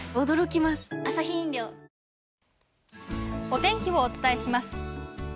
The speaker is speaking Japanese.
お天気をお伝えします。